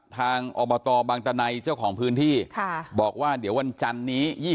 อบตบางตะไนเจ้าของพื้นที่บอกว่าเดี๋ยววันจันนี้